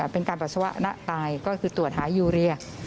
เป็นการปัสสาวะณตายก็คือตรวจหายูเรีย